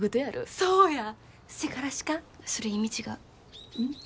そうやせからしかそれ意味違ううん？